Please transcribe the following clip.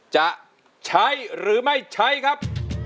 จะใช้หรือไม่ใช้ครับ